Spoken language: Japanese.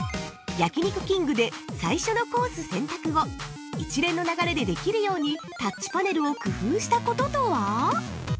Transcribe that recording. ◆焼肉きんぐで最初のコース選択後一連の流れでできるようにタッチパネルを工夫したこととは？